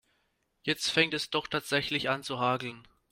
Jetzt fängt es doch tatsächlich an zu hageln.